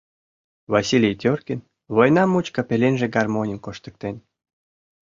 Василий Теркин война мучко пеленже гармоньым коштыктен.